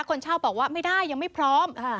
คนเช่าบอกว่าไม่ได้ยังไม่พร้อม